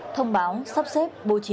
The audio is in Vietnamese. thông báo sắp xếp bố trí